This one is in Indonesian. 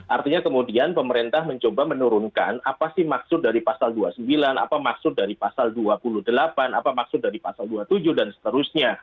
artinya kemudian pemerintah mencoba menurunkan apa sih maksud dari pasal dua puluh sembilan apa maksud dari pasal dua puluh delapan apa maksud dari pasal dua puluh tujuh dan seterusnya